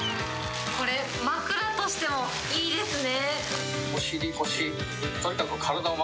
これ、枕としてもいいですね。